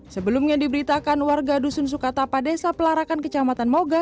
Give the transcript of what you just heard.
sebelumnya diberitakan warga dusun sukatapa desa pelarakan kecamatan moga